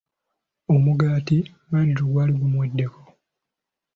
Omugaati Badru gwali gumuweddeko!